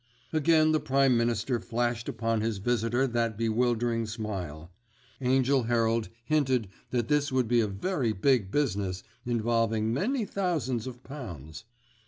Again the Prime Minister flashed upon his visitor that bewildering smile. Angell Herald hinted that this would be a very big business, involving many thousands of pounds.